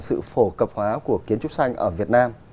sự phổ cập hóa của kiến trúc xanh ở việt nam